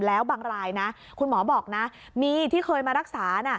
แล้วบางรายนะคุณหมอบอกนะมีที่เคยมารักษา